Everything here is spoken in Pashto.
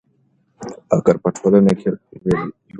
فقر په ټولنه کې لوړېږي.